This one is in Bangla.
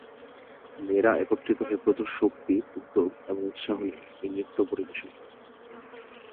মেয়েরা একত্রিত হয়ে প্রচুর শক্তি, উদ্যোগ এবং উৎসাহ নিয়ে এই নৃত্য পরিবেশন করে।